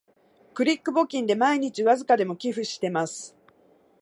クリック募金で毎日わずかでも寄付してます